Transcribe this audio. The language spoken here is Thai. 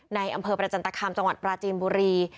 ในอำเภอประจันตคามจังหวัดปราจีนบุรี